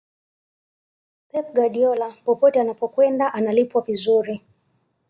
pep guardiola popote anapokwenda analipwa vizuri